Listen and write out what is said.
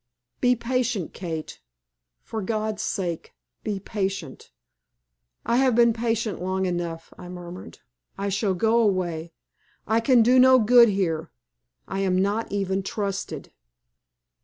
Be patient, Kate! For God's sake, be patient!" "I have been patient long enough," I murmured. "I shall go away. I can do no good here. I am not even trusted."